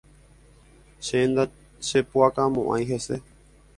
Che ndachepuʼakamoʼãi hese.